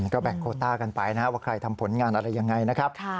ก็แบ่งโคต้ากันไปนะครับว่าใครทำผลงานอะไรยังไงนะครับ